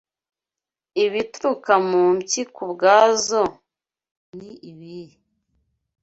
Ibituruka mu mpyiko ubwazo ni ibihe